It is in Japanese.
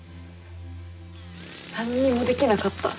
なんにもできなかった。